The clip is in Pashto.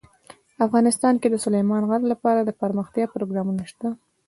افغانستان کې د سلیمان غر لپاره دپرمختیا پروګرامونه شته.